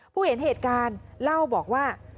เห็นเหตุการณ์เล่าบอกว่า